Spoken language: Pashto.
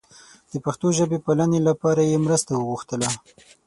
د پښتو ژبې پالنې لپاره یې مرسته وغوښتله.